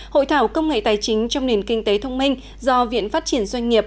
hội thảo công nghệ tài chính trong nền kinh tế thông minh do viện phát triển doanh nghiệp